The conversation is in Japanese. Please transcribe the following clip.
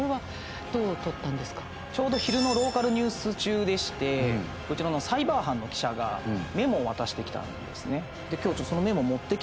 ちょうど昼のローカルニュース中でしてこちらのサイバー班の記者がメモを渡して来たんですね。えっ！